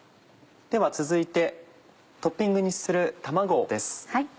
では続いてトッピングにする卵です。